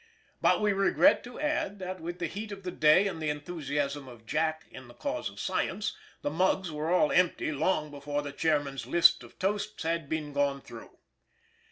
But we regret to add that with the heat of the day and the enthusiasm of Jack in the cause of science, the mugs were all empty long before the chairman's list of toasts had been gone through.